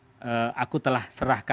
anakku sekarang aku telah serahkan kau